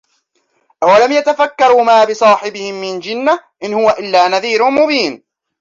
أولم يتفكروا ما بصاحبهم من جنة إن هو إلا نذير مبين